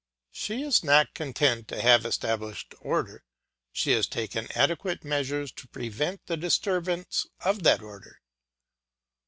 She is not content to have established order, she has taken adequate measures to prevent the disturbance of that order.